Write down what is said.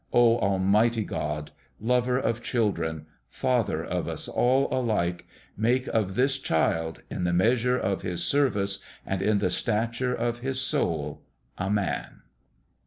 O Almighty God, Lover of chil dren, Father of us all alike, make of this child, in the measure of his service and in the stature of his soul, a Man.